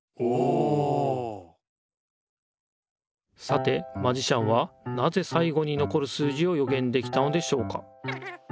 さてマジシャンはなぜさいごにのこる数字をよげんできたのでしょうか？